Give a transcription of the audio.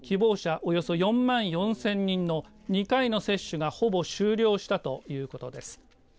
およそ４万４０００人の２回の接種がほぼ終了したということです。